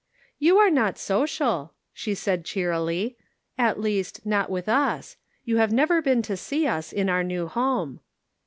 " You are not social," she said, cheerily, "at least not with us ; you have never been to see us in our new home."